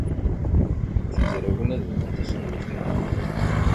Tizrawin ad bdunt ass n letniyen.